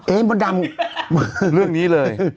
มดดำเรื่องนี้เลย